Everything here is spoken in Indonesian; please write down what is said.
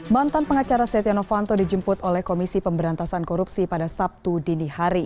mantan pengacara setia novanto dijemput oleh komisi pemberantasan korupsi pada sabtu dini hari